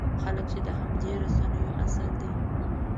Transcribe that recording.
خلک چې د همدې رسنیو اصل دی.